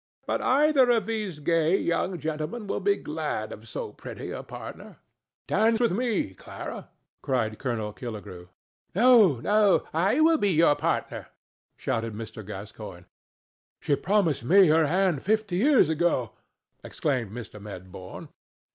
But either of these gay young gentlemen will be glad of so pretty a partner." "Dance with me, Clara," cried Colonel Killigrew. "No, no! I will be her partner," shouted Mr. Gascoigne. "She promised me her hand fifty years ago," exclaimed Mr. Medbourne.